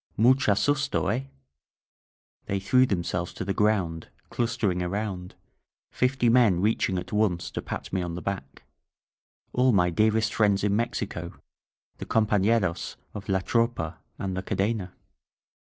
Mucha stLsto, eh?" They threw themselves to the ground, clustering around, fifty men reaching at once to pat me on the back; all my dear est friends in Mexico — the compafleros of La Tropa and the Cadena!